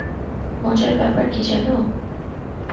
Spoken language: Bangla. মজার ব্যাপার কী জানো?